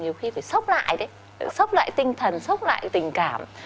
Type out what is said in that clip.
nhiều khi phải sốc lại tinh thần sốc lại tình cảm